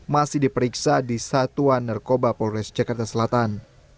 masih diperiksa di satuan narkoba polres jakarta selatan